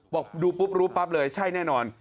บอกดูปุ๊บรู้ปั๊บเลยใช่แน่นอน